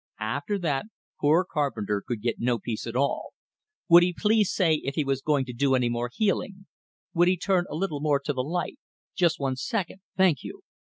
After that, poor Carpenter could get no peace at all. Would he please say if he was going to do any more healing? Would he turn a little more to the light just one second, thank you.